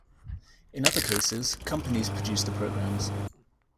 In other cases, companies produce the programs.